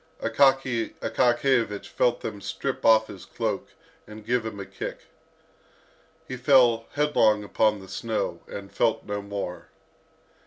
Akaky Akakiyevich felt them strip off his cloak, and give him a kick. He fell headlong upon the snow, and felt no more.